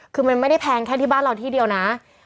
คือมันไม่ได้แพงแค่ที่บ้านเราที่เดียวนะ